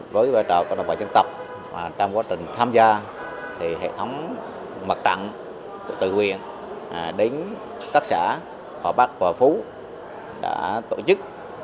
với vào vào trong r nacht al ramadan quyền đến các xã hội bắt của phú đã tổ chức